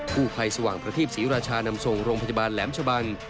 ผู้ภัยสว่างประทีปศรีราชานำส่งโรงพยาบาลแหลมชะบัง